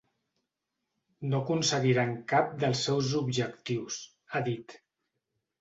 No aconseguiran cap dels seus objectius, ha dit.